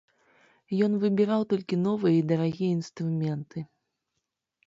Ён выбіраў толькі новыя і дарагія інструменты.